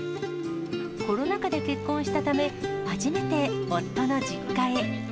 コロナ禍で結婚したため、初めて夫の実家へ。